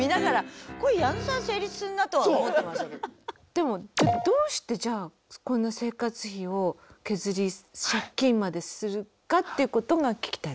でもじゃどうしてじゃあこんな生活費を削り借金までするかっていうことが聞きたいですよね。